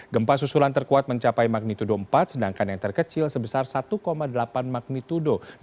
gempa susulan terkuat mencapai magnitudo empat sedangkan yang terkecil sebesar satu delapan magnitudo